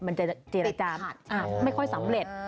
มันจะเจรจาไม่ค่อยสำเร็จ